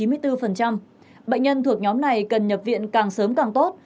bệnh nhân thuộc nhóm này cần nhập viện càng sớm càng tốt